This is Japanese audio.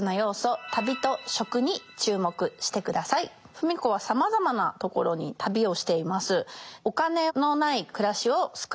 芙美子はさまざまなところに旅をしています。